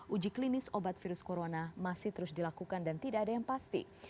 uji klinis obat virus corona masih terus dilakukan dan tidak ada yang pasti